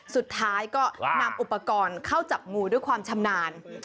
สุดท้ายก็นำอุปกรณ์เข้าจับงูด้วยความชำนาญ